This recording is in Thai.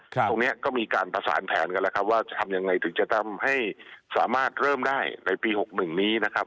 ตรงนี้ก็มีการประสานแผนกันแล้วครับว่าจะทำยังไงถึงจะทำให้สามารถเริ่มได้ในปี๖๑นี้นะครับ